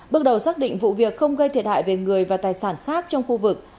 bước đầu xác định vụ việc không gây thiệt hại về người và tài sản khác trong khu vực